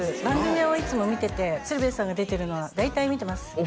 番組をいつも見てて鶴瓶さんが出てるのは大体見てます